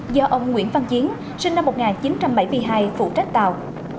do ông nguyễn văn chiến sinh năm một nghìn chín trăm bảy mươi hai phụ trách tàu